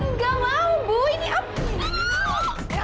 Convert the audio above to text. nggak mau bu ini apa dulu